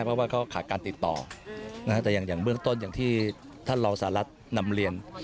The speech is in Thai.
เพราะว่าเขาขาดการติดต่อแต่อย่างเบื้องต้นอย่างที่ท่านรองสหรัฐนำเรียน